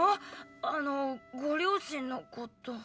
あのご両親のこと。